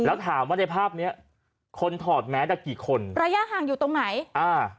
แล้วถามว่าในภาพเนี้ยคนถอดแมสอ่ะกี่คนระยะห่างอยู่ตรงไหนอ่า